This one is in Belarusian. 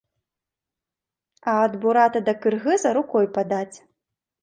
А ад бурата да кыргыза рукой падаць.